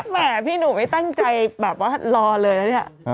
แหมพี่หนูไม่ตั้งใจแบบว่ารอเลยนะเนี่ย